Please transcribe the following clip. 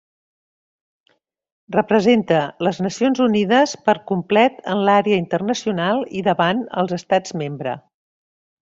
Representa les Nacions Unides per complet en l'àrea internacional i davant els estats membre.